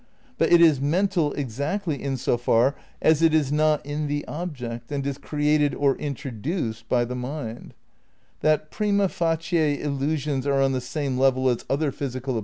But it is mental exactly in so far as it is not in the object and is created or "introduced by" the mind. That "prima facie il lusions are on the same level as other physical appear > Space, Time and Deity, Vol. II, p.